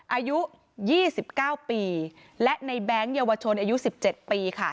อายุยี่สิบเก้าปีและในแบงค์เยาวชนอายุสิบเจ็ดปีค่ะ